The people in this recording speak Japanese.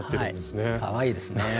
かわいいですね。